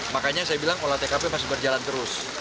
makanya saya bilang olah tkp masih berjalan terus